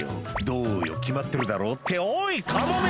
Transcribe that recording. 「どうよ決まってるだろ？っておいカモメ！」